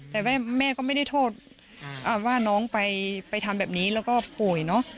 แต่แม่ก็ไม่ได้โทษว่าน้องไปทำแบบนี้แล้วก็ป่วยเนอะ